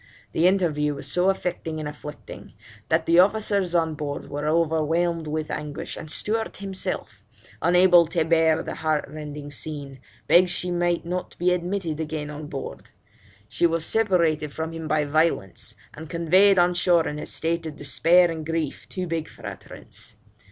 The interview was so affecting and afflicting, that the officers on board were overwhelmed with anguish, and Stewart himself, unable to bear the heartrending scene, begged she might not be admitted again on board. She was separated from him by violence, and conveyed on shore in a state of despair and grief too big for utterance.